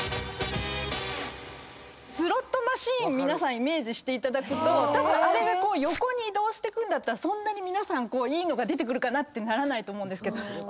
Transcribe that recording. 皆さんイメージしていただくとあれが横に移動していくならそんなにいいのが出てくるかなってならないと思うんですけど。